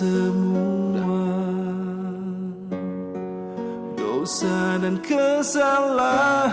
itu apaan sih